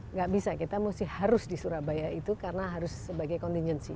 nggak bisa kita harus di surabaya itu karena harus sebagai contingency